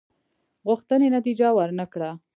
غوښتنې نتیجه ورنه کړه.